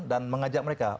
dan mengajak mereka